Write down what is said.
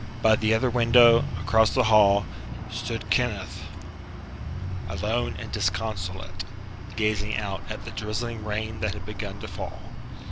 By the other window, across the hall, stood Kenneth, alone and disconsolate, gazing out at the drizzling rain that had begun to fall.